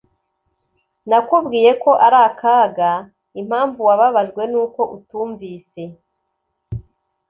Nakubwiye ko ari akaga Impamvu wababajwe nuko utumvise